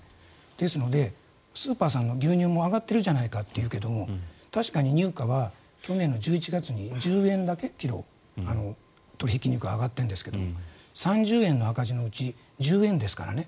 ですので、スーパーさんの牛乳も上がっているじゃないかというけども確かに入荷は去年の１１月に１ｋｇ１０円だけ取引が上がってるんですが３０円の赤字のうち１０円ですからね。